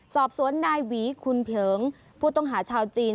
สอบสวนนายหวีคุณเผิงผู้ต้องหาชาวจีน